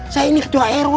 saya ini kedua rw